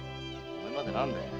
おめえまで何だよ？